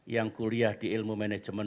yang kuliah di ilmu manajemen